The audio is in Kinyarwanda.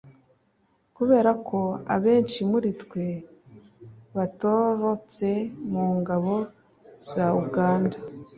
kubera ko abenshi muri twe batorotse mu ngabo za uganda,